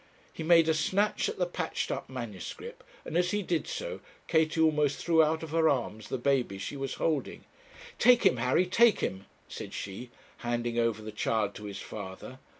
He made a snatch at the patched up manuscript, and as he did so, Katie almost threw out of her arms the baby she was holding. 'Take him, Harry, take him,' said she, handing over the child to his father.